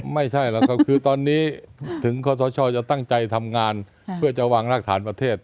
ไม่ใช่หรอกครับคือตอนนี้ถึงขอสชจะตั้งใจทำงานเพื่อจะวางรากฐานประเทศ